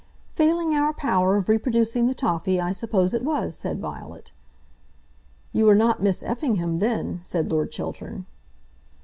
"Failing our power of reproducing the toffy, I suppose it was," said Violet. "You were not Miss Effingham then," said Lord Chiltern.